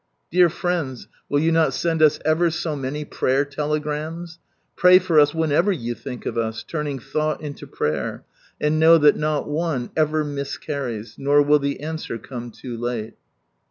Dear friends, will you not send us ever so many prayer telegrams ? Pray for s whenever you think of us, turning thought into prayer, and know that not one ever miscarries. Nor will the answer come too late."